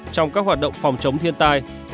trong các hoạt động phòng chống thiên tai